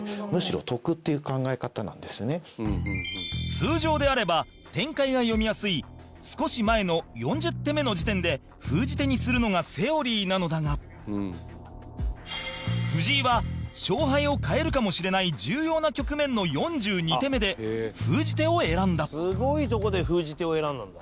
通常であれば展開が読みやすい少し前の４０手目の時点で封じ手にするのがセオリーなのだが藤井は勝敗を変えるかもしれない重要な局面の４２手目で封じ手を選んだ山崎：すごいとこで封じ手を選んだんだ。